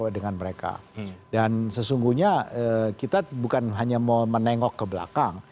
dan sesungguhnya kita bukan hanya mau menengok ke belakang